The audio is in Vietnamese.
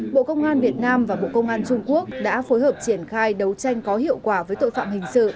bộ công an việt nam và bộ công an trung quốc đã phối hợp triển khai đấu tranh có hiệu quả với tội phạm hình sự